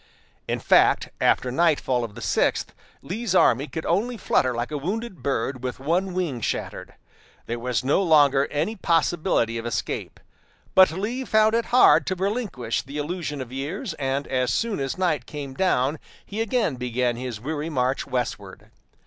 In fact, after nightfall of the sixth, Lee's army could only flutter like a wounded bird with one wing shattered. There was no longer any possibility of escape; but Lee found it hard to relinquish the illusion of years, and as soon as night came down he again began his weary march westward.